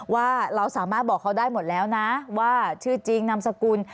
ว่าเราสามารถบอกเขาได้หมดแล้วนะว่าชื่อจริงนามสกุล